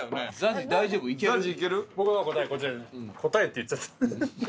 「答え」って言っちゃった。